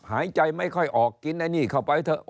หายใจไม่ค่อยออกกินไอ้นี่เข้าไปเถอะ